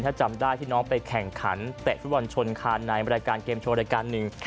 ถ้าจำได้ที่น้องไปแข่งขันเตะฟุตบอลชนคานในรายการเกมโชว์รายการหนึ่ง